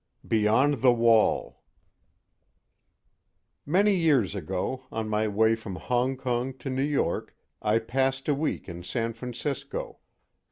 BEYOND THE WALL MANY years ago, on my way from Hongkong to New York, I passed a week in San Francisco.